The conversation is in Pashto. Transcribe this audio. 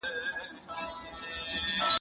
که ليکوال د ټولني لپاره وليکي لوستونکي زياتېږي.